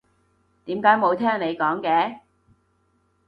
點解冇聽你講嘅？